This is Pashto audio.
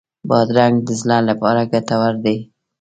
بادرنګ د زړه لپاره ګټور دی.